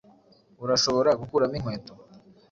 Urashobora gukuramo inkweto.